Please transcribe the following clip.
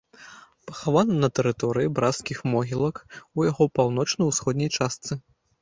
Пахаваны на тэрыторыі брацкіх могілак, у яго паўночна-ўсходняй частцы.